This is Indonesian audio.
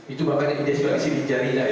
itu bahkan yang dihasilkan di sidik jari